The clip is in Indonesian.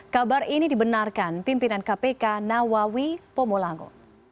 kabar ini dibenarkan pimpinan kpk nawawi pomulango